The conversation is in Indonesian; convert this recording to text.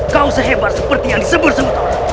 kau sehebar seperti yang disebut semua orang